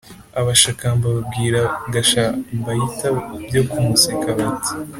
abashakamba babwira gashambayita byo kumuseka, bati